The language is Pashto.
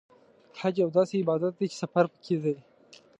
حج یو داسې عبادت دی چې سفر پکې دی.